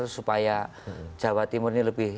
supaya jawa timur ini lebih